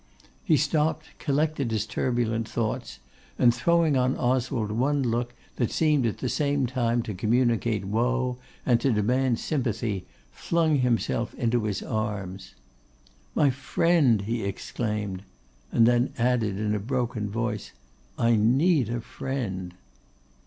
He stopped, collected his turbulent thoughts, and throwing on Oswald one look that seemed at the same time to communicate woe and to demand sympathy, flung himself into his arms. 'My friend!' he exclaimed, and then added, in a broken voice, 'I need a friend.